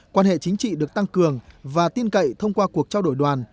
quan hệ chính trị được tăng cường và tin cậy thông qua cuộc trao đổi đoàn